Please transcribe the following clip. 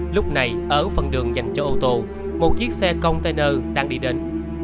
lúc này ở phần đường dành cho ô tô một chiếc xe container đang đi đến